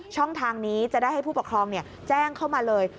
ช่องทางนี้จะได้ให้ผู้ปกครองแจ้งเข้ามาเลย